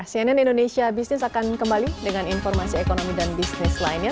cnn indonesia business akan kembali dengan informasi ekonomi dan bisnis lainnya